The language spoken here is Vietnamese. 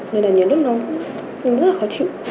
nên là nhiều lúc nó rất là khó chịu